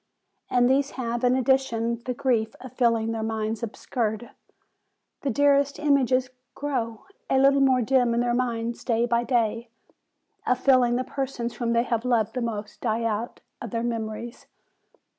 And these have, in addition, the grief of feeling their minds obscured, the dearest im ages grow.a little more dim in their minds day by day, of feeling the persons whom they have loved the most die out of their memories.